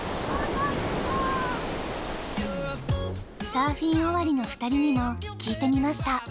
サーフィン終わりの２人にも聞いてみました。